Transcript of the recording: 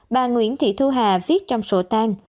bà nguyễn thị thu hà viết trong sổ tang